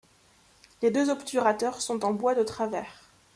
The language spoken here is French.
Les deux obturateurs sont en bois de travers.